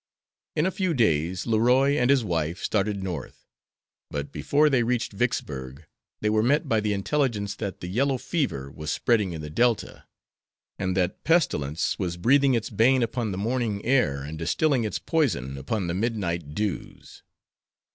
In a few days Leroy and his wife started North, but before they reached Vicksburg they were met by the intelligence that the yellow fever was spreading in the Delta, and that pestilence was breathing its bane upon the morning air and distilling its poison upon the midnight dews.